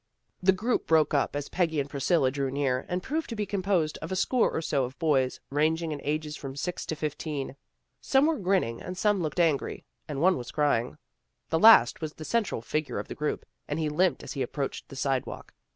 The group broke up as Peggy and Priscilla drew near, and proved to be composed of a score or so of boys, ranging in ages from six to fifteen. Some were grinning and some looked angry. And one was crying. The last was the central figure of the group, and he limped as he approached the sidewalk.